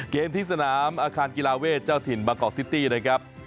ที่สนามอาคารกีฬาเวทเจ้าถิ่นบางกอกซิตี้นะครับ